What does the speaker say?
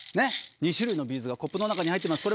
２種類のビーズがコップの中に入ってます。